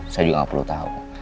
saya juga gak perlu tau